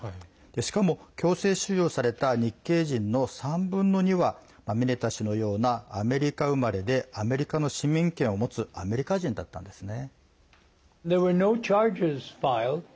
しかも、強制収容された日系人の３分の２はミネタ氏のようなアメリカ生まれでアメリカの市民権を持つアメリカ人だったんですね。